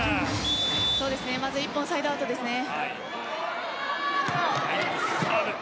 まずは１本サイドアウトですね。